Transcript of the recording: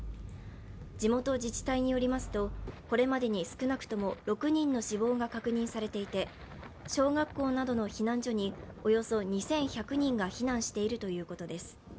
地元自治体によりますとこれまでに少なくとも６人の死亡が確認されていて小学校などの避難所におよそ２１００人が避難しているということです。